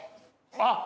あっ！